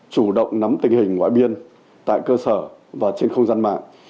chủ động nắm tình hình ngoại biên tại cơ sở và trên không gian mạng